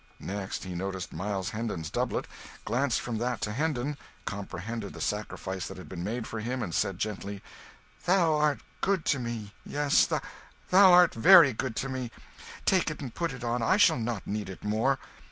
Next he noticed Miles Hendon's doublet glanced from that to Hendon, comprehended the sacrifice that had been made for him, and said, gently "Thou art good to me, yes, thou art very good to me. Take it and put it on I shall not need it more."